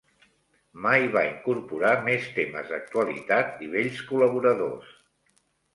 Mai va incorporar més temes d'actualitat i vells col·laboradors.